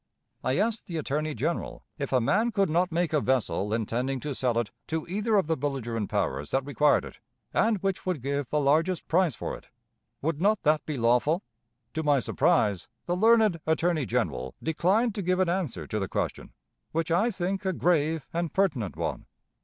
I asked the Attorney General if a man could not make a vessel intending to sell it to either of the belligerent powers that required it, and which would give the largest price for it, would not that be lawful? To my surprise, the learned Attorney General declined to give an answer to the question, which I think a grave and pertinent one.